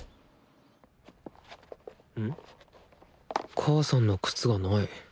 母さんの靴がない。